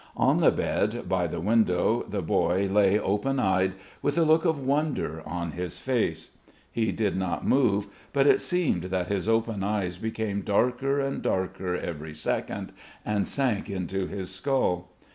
On the bed, by the window, the boy lay open eyed, with a look of wonder on his face. He did not move, but it seemed that his open eyes became darker and darker every second and sank into his skull.